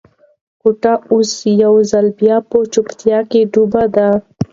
کوټه اوس یو ځل بیا په چوپتیا کې ډوبه ده.